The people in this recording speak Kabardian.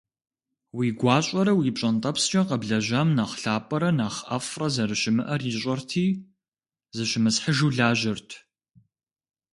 Уи гуащӀэрэ уи пщӀэнтӀэпскӀэ къэблэжьам нэхъ лъапӀэрэ нэхъ ӀэфӀрэ зэрыщымыӀэр ищӀэрти, зыщымысхьыжу лажьэрт.